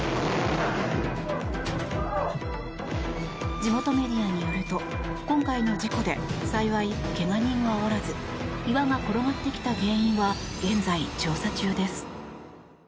地元メディアによると今回の事故で幸い怪我人はおらず岩が転がってきた原因は現在、調査中です。